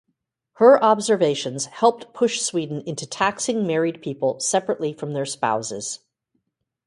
Her observations helped push Sweden into taxing married people separately from their spouses.